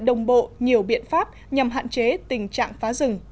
đồng bộ nhiều biện pháp nhằm hạn chế tình trạng phá rừng